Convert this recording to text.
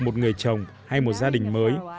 một người chồng hay một gia đình mới